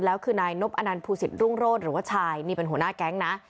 แล้วคือนายนบอนันภูศิษฐรุ่งโรศหรือว่าชายนี่เป็นหัวหน้าแก๊งนะ